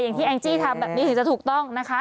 อย่างที่แองจี้ทำแบบนี้ถึงจะถูกต้องนะคะ